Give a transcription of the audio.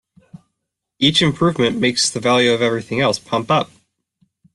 Each improvement makes the value of everything else pump up.